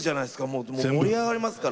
もう盛り上がりますから。